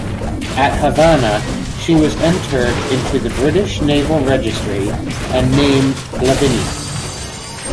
At Havana she was entered into the British naval registry and named "Lavinia".